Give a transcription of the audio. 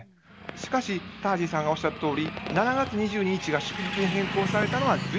しかしタージンさんがおっしゃったとおり７月２２日が祝日に変更されたのは随分前のことです。